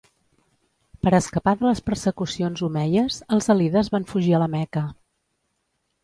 Per escapar de les persecucions omeies els alides van fugir a la Meca.